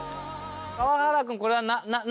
川原君これは何？